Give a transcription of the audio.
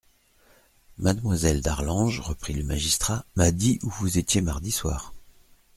Mademoiselle d'Arlange, reprit le magistrat, m'a dit où vous étiez mardi soir.